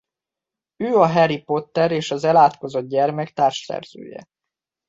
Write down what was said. Ő a Harry Potter és az elátkozott gyermek társszerzője.